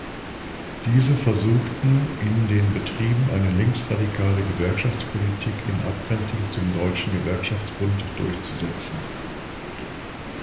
Diese versuchten, in den Betrieben eine linksradikale Gewerkschaftspolitik in Abgrenzung zum Deutschen Gewerkschaftsbund durchzusetzen.